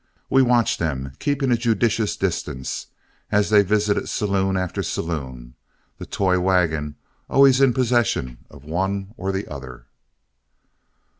We watched them, keeping a judicious distance, as they visited saloon after saloon, the toy wagon always in possession of one or the other.